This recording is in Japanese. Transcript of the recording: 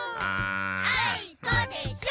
あいこでしょ！